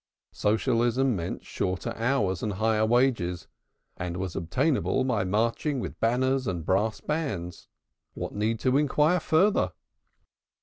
Socialism meant shorter hours and higher wages and was obtainable by marching with banners and brass bands what need to inquire further?